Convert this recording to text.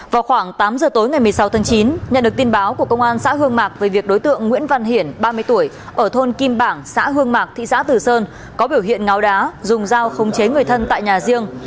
vào khoảng tám giờ tối ngày một mươi sáu tháng chín nhận được tin báo của công an xã hương mạc về việc đối tượng nguyễn văn hiển ba mươi tuổi ở thôn kim bảng xã hương mạc thị xã từ sơn có biểu hiện ngáo đá dùng dao không chế người thân tại nhà riêng